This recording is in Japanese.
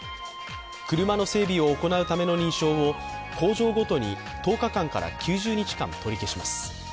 車の整備を行うための認証を工場ごとに１０日間から９０日間取り消します。